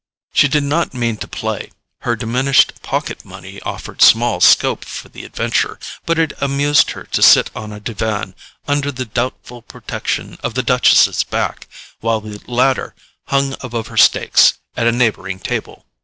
She did not mean to play; her diminished pocket money offered small scope for the adventure; but it amused her to sit on a divan, under the doubtful protection of the Duchess's back, while the latter hung above her stakes at a neighbouring table.